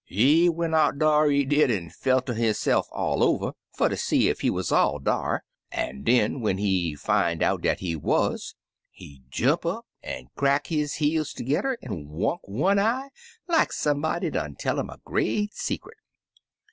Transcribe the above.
He went out dar, he did, an' felt er hisse'f all over fer ter see ef he wuz all dar, an' den, when he fin' out dat he wuz, he jump up an' crack his heels tergedder an' wunk one eye like somebody done tell 'im a great secret.